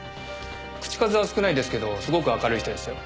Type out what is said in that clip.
口数は少ないですけどすごく明るい人ですよ。